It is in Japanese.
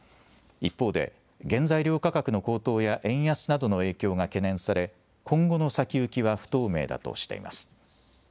一方で、原材料価格の高騰や円安などの影響が懸念され、今後の先行きは不透明だとしています。